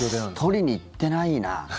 取りに行ってないな。